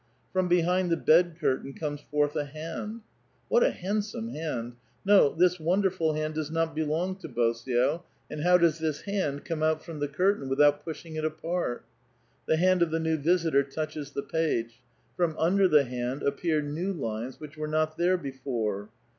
^^Tom behind the bed curtain comes forth a hand ; what a . ^^clsome hand ! No ; this wonderful hand does not belong l^osio, and how does this hand come out from the curtain ^^Ixout pushing it apait? I^» ^^lie hand of the new visitor touches the page ; from under ^ band appear new lines, which were not there before.